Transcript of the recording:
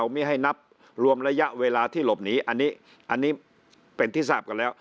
ไม่ให้นับรวมระยะเวลาที่หลบหนีอันนี้อันนี้เป็นที่ทราบกันแล้ว